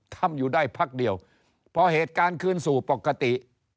ทำอยู่ได้พักเดียวพอเหตุการณ์คืนสู่ปกติ